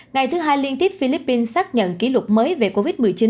ngày thứ hai liên tiếp philippines xác nhận kỷ lục mới về covid một mươi chín